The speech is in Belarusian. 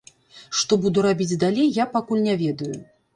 Што буду рабіць далей, я пакуль не ведаю.